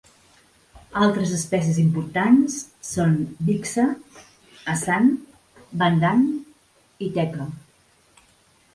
Altres espècies importants són bixa, asan, bandhan i teca.